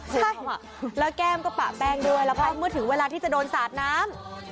ใช่แล้วแก้มก็ปะแป้งด้วยแล้วก็เมื่อถึงเวลาที่จะโดนสาดน้ำ